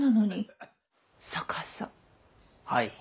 はい。